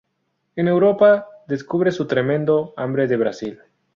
En Europa descubre "su tremendo hambre de Brasil".